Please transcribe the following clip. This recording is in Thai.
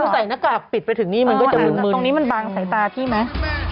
ใส่หน้ากากปิดไปถึงนี่มันก็จะหมุนตรงนี้มันบางสายตาพี่ไหม